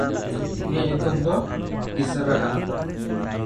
ᱩᱱᱤᱭᱟᱜ ᱧᱩᱛᱩᱢ ᱫᱚ ᱠᱤᱥᱦᱟᱨᱟ ᱠᱟᱱᱟ᱾